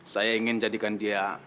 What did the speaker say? saya ingin jadikan dia